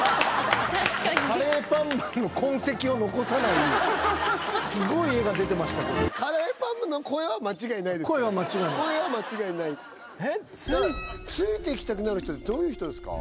カレーパンマンのすごい画が出てましたけどカレーパンマンの声は間違いないですから声は間違いない声は間違いないついていきたくなる人ってどういう人ですか？